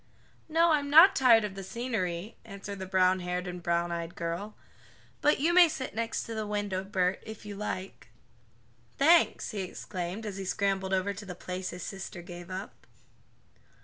"No, I'm not tired of the scenery," answered the brownhaired and browneyed girl, "but you may sit next the window, Bert, if you like." "Thanks!" he exclaimed as he scrambled over to the place his sister gave up.